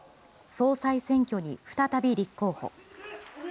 総裁選挙に再び立候補。